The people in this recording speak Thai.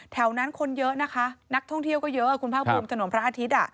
แถวนั้นคนเยอะนะคะนักท่องเที่ยวก็เยอะคุณภาคภูมิถนนพระอาทิตย์